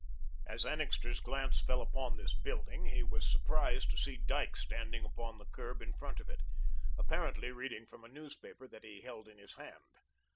As Annixter's glance fell upon this building, he was surprised to see Dyke standing upon the curb in front of it, apparently reading from a newspaper that he held in his hand.